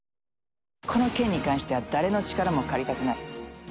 この件に関しては誰の力も借りたくない。